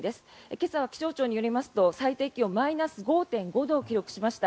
今朝は気象庁によりますと最低気温マイナス５．５度を記録しました。